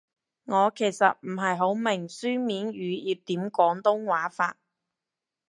我其實唔係好明書面語要點廣東話法